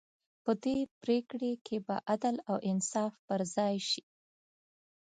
په دې پرېکړې کې به عدل او انصاف پر ځای شي.